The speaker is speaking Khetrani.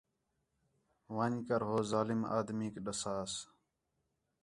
وِن٘ڄ کر ہو ظالم آدمیک ݙساس